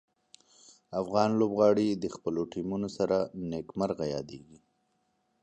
افغان لوبغاړي د خپلو ټیمونو سره نیک مرغه یادیږي.